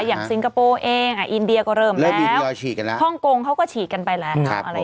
ซิงคโปร์เองอินเดียก็เริ่มแล้วฮ่องกงเขาก็ฉีดกันไปแล้ว